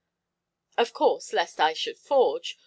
"Of course, lest I should forge.